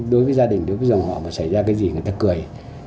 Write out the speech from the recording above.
đối với gia đình đối với dòng họ mà xảy ra cái gì người ta cười